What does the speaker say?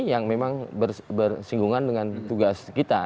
yang memang bersinggungan dengan tugas kita